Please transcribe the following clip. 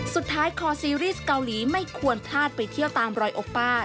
คอซีรีส์เกาหลีไม่ควรพลาดไปเที่ยวตามรอยโอป้า